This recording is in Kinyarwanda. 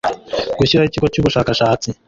Gushyiraho Ikigo cy Ubushakashatsi